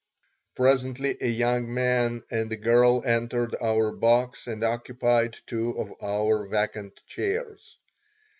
Presently a young man and a girl entered our box and occupied two of our vacant chairs.